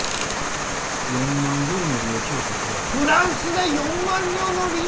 ４万両の利益を蓄え」。